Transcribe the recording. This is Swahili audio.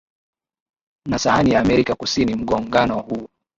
na sahani ya Amerika Kusini Mgongano huu